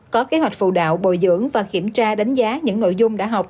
có kế hoạch phụ đạo bồi dưỡng và kiểm tra đánh giá những nội dung đã học